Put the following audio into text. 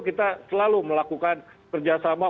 kita selalu melakukan kerjasama